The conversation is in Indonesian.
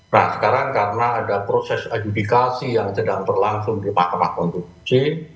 nah sekarang karena ada proses adjudikasi yang sedang berlangsung di mahkamah konstitusi